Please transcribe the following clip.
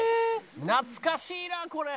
「懐かしいなこれ」